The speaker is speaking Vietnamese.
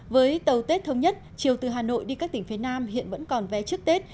với tàu tết thống nhất chiều từ hà nội đi các tỉnh phía nam hiện vẫn còn vé trước tết